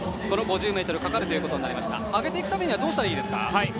上げていくためにはどうしたらいいですか？